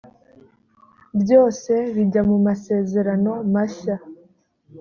byose bijya mu masezerano mashya .